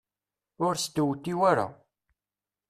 Ur stewtiw ara.